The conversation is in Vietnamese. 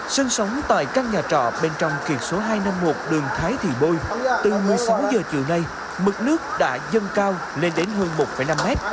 sân sống tại căn nhà trọ bên trong kiệt số hai trăm năm mươi một đường thái thị bôi từ một mươi sáu h chiều nay mực nước đã dâng cao lên đến hơn một năm mét